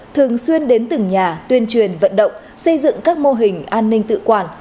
thường xuyên đến từng nhà tuyên truyền vận động xây dựng các mô hình an ninh tự quản